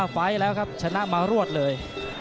ไฟล์แล้วครับชนะมารวดเลย